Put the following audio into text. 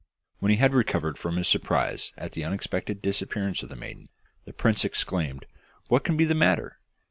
When he had recovered from his surprise at the unexpected disappearance of the maiden, the prince exclaimed, 'What can be the matter?